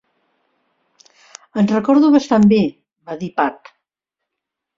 "Et recordo bastant bé", va dir Pat.